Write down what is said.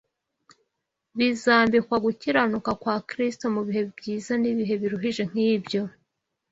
bazambikwa gukiranuka kwa Kristo mu bihe byiza n’ibihe biruhije nk’ibyo.